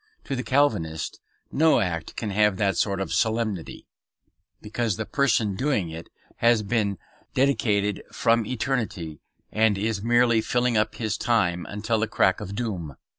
To the Calvinist no act can have that sort of solemnity, because the person doing it has been dedicated from eternity, and is merely filling up his time until the crack of doom.